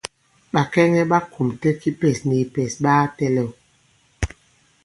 Bàkɛŋɛ ɓa kùmtɛ kipɛs ni kìpɛ̀s ɓa katɛ̄lɛ̂w.